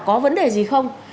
có vấn đề gì không